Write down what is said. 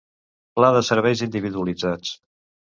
Pla de serveis individualitzats.